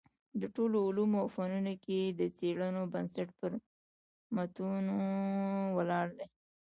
د ټولو علومو او فنونو کي د څېړنو بنسټ پر متونو ولاړ دﺉ.